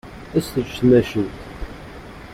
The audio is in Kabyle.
Ad tt-teǧǧ tmacint.